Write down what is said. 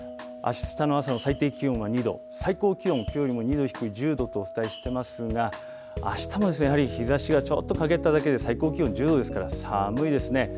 あしたの朝の最低気温は２度、最高気温、きょうよりも２度低い１０度とお伝えしていますが、あしたもやはり、日ざしがちょっとかげっただけで最高気温１０度ですから、寒いですね。